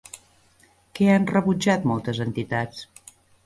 Què han rebutjat moltes entitats?